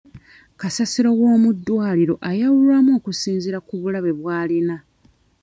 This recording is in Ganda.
Kasasiro w'omuddwaliro ayawulwamu okusinziira ku bulabe bw'alina.